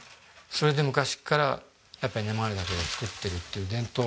それで昔からやっぱりネマガリダケで作っているっていう伝統。